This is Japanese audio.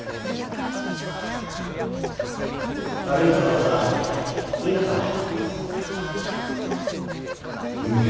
悪い顔だがいい顔だ。